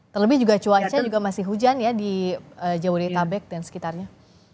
terlebih juga cuaca juga masih hujan ya di jabodetabek dan sekitarnya